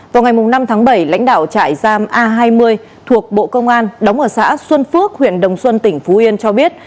vào ngày năm tháng bảy lãnh đạo trại giam a hai mươi thuộc bộ công an đóng ở xã xuân phước huyện đồng xuân tỉnh phú yên cho biết